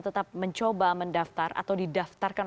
tetap mencoba mendaftar atau didaftarkan